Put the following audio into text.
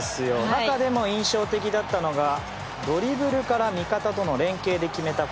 中でも印象的だったのがドリブルから味方との連係で決めた